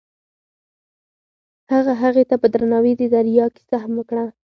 هغه هغې ته په درناوي د دریا کیسه هم وکړه.